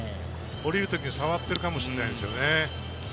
降りる時に触っているかもしれないですよね。